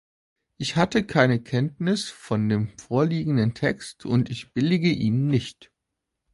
Ich hatte keine Kenntnis von dem vorgelegten Text, und ich billige ihn nicht.